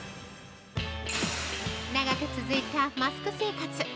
長く続いたマスク生活。